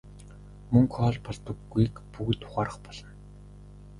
Мөнгө хоол болдоггүйг бүгд ухаарах болно.